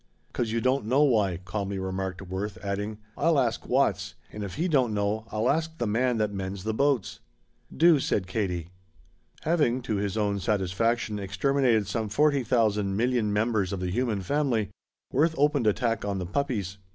'" "'Cause you don't know why," calmly remarked Worth, adding: "I'll ask Watts, and if he don't know I'll ask the man that mends the boats." "Do," said Katie. Having, to his own satisfaction, exterminated some forty thousand million members of the human family, Worth opened attack on the puppies.